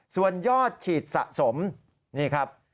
ส่วนยอดฉีดสะสมนี่ครับ